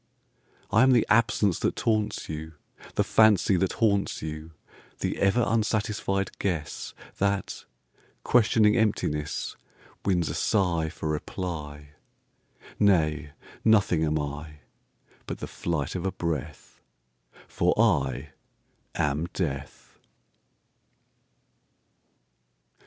I am the absence that taunts you, The fancy that haunts you; The ever unsatisfied guessThat, questioning emptiness, Wins a sigh for reply. Nay, nothing am I,But the flight of a breath—For I am Death!